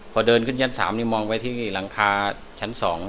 พอเดินขึ้นยันต์สามมองไปที่หลังคาชั้นสอง